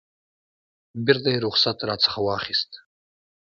بیرته یې رخصت راڅخه واخیست.